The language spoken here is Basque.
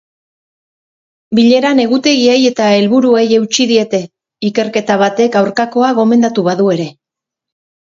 Bileran egutegiei eta helburuei eutsi diete, ikerketa batek aurkakoa gomendatu badu ere.